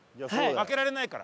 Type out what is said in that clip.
負けられないから。